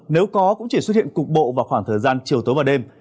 nếu có cũng chỉ xuất hiện cục bộ vào khoảng thời gian chiều tối và đêm